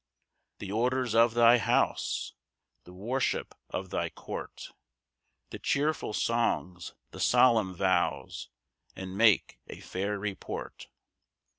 4 The orders of thy house, The worship of thy court, The cheerful songs, the solemn vows; And make a fair report.